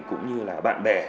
cũng như là bạn bè